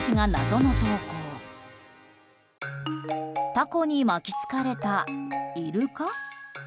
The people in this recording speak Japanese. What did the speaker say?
タコに巻きつかれたイルカ？